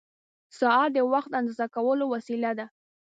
ساعت د وخت اندازه کولو وسیله ده.